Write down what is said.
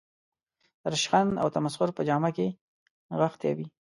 د رشخند او تمسخر په جامه کې نغښتې وي.